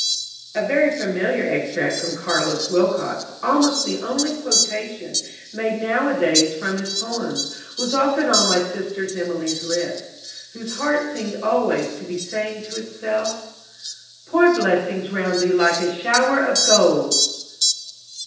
A very familiar extract from Carlos Wilcox, almost the only quotation made nowadays from his poems, was often on my sister Emilie's lips, whose heart seemed always to be saying to itself: "Pour blessings round thee like a shower of gold!"